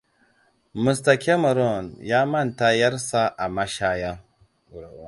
Mr. Cameron ya manta ƴarsa a mashaya.